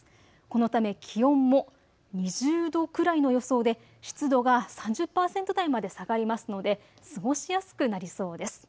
このため気温も２０度くらいの予想で湿度が３０％台まで下がりますので過ごしやすくなりそうです。